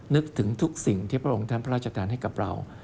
นึกถึงทุกสิ่งที่พระองค์ท่านพระราชทานให้กับเรา